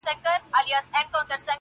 ستا پۀ وادۀ كې جېنكو بېګاه چمبه وهله,